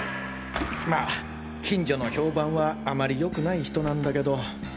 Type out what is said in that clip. まあ近所の評判はあまり良くない人なんだけど。